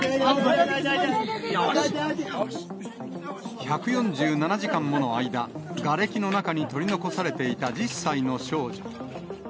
１４７時間もの間、がれきの中に取り残されていた１０歳の少女。